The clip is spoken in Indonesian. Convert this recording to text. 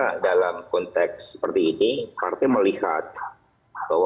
menurut anda sebagai sekjen seberapa yakin anda dan juga kader kader di pdi perjuangan bahwa